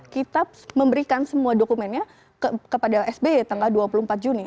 kita memberikan semua dokumennya kepada sby tanggal dua puluh empat juni